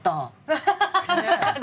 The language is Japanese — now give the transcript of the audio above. ハハハハ！